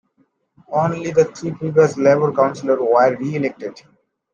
Only the three previous Labour councillors were re-elected.